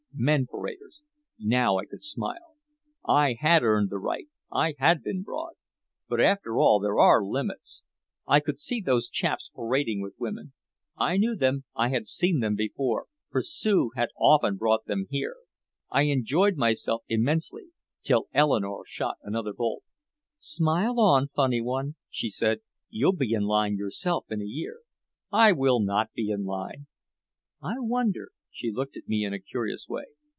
Men paraders! Now I could smile. I had earned the right, I had been broad. But after all, there are limits. I could see those chaps parading with women. I knew them, I had seen them before, for Sue had often brought them here. I enjoyed myself immensely till Eleanore shot another bolt. "Smile on, funny one," she said. "You'll be in line yourself in a year." "I will not be in line!" "I wonder." She looked at me in a curious way.